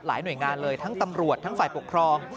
หน่วยงานเลยทั้งตำรวจทั้งฝ่ายปกครอง